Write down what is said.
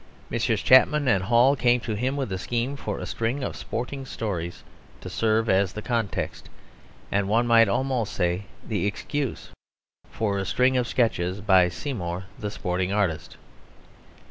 Messrs. Chapman and Hall came to him with a scheme for a string of sporting stories to serve as the context, and one might almost say the excuse, for a string of sketches by Seymour, the sporting artist.